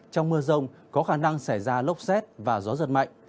trong mưa rông có khả năng xảy ra lốc xét và gió giật mạnh